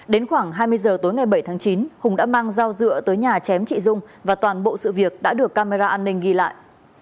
đến khoảng hai mươi giờ tối ngày bảy tháng chín hùng đã mang dao dựa tới nhà chém chị dung và toàn bộ sự việc đã được camera an ninh ghi lại